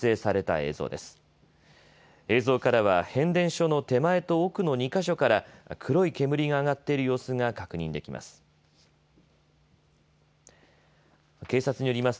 映像からは変電所の手前と奥の２か所から黒い煙が上がっている様子が確認できます。